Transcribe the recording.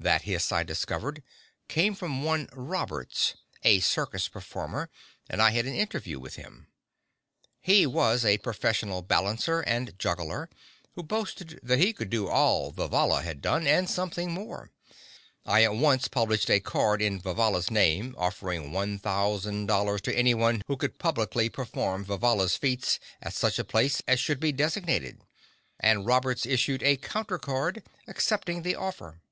This hiss, I discovered, came from one Roberts, a circus performer, and I had an interview with him. He was a professional balancer and juggler, who boasted that he could do all Vivalla had done and something more. I at once published a card in Vivalla's name, offering $1000 to any one who would publicly perform Vivalla's feats at such place as should be designated, and Roberts issued a counter card, accepting the offer.